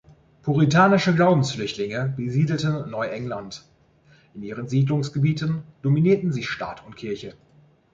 Puritanische Glaubensflüchtlinge besiedelten Neu-England; in ihren Siedlungsgebieten dominierten sie Staat und Kirche.